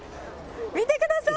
見てください。